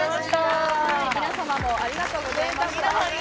皆様もありがとうございました。